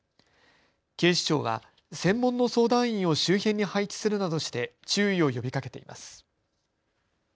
警視庁は専門の相談員を周辺に配置するなどして注意を呼びかけています。